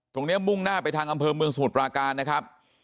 มุ่งหน้าไปทางอำเภอเมืองสมุทรปราการนะครับ